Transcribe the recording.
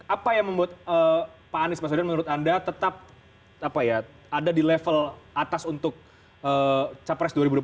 apa yang membuat pak anies baswedan menurut anda tetap ada di level atas untuk capres dua ribu dua puluh